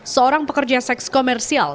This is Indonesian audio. seorang pekerja seks komersial